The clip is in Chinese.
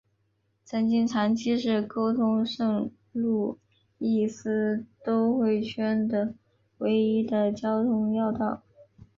曾经长期是沟通圣路易斯都会圈的唯一的交通要道。